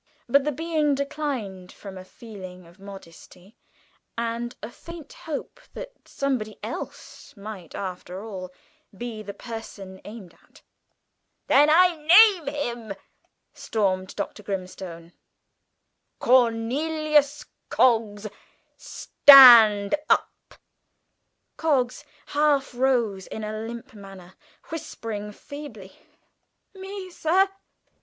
But the being declined from a feeling of modesty, and a faint hope that somebody else might, after all, be the person aimed at. "Then I name him!" stormed Dr. Grimstone; "Cornelius Coggs stand up!" Coggs half rose in a limp manner, whimpering feebly, "Me, sir?